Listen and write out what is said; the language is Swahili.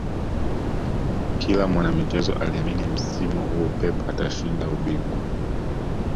kila mwanamichezo aliamini msimu huo pep atashinda ubingwa